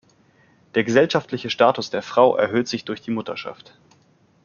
Der gesellschaftliche Status der Frau erhöht sich durch die Mutterschaft.